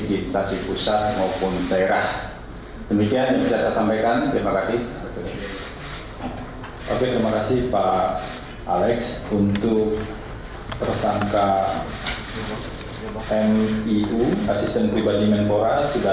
di stasiun pusat maupun daerah